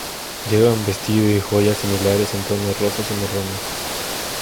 Llevan vestido y joyas similares, en tonos rosas y marrones.